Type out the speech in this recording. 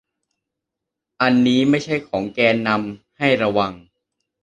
อันนี้ไม่ใช่ของแกนนำ ให้ระวัง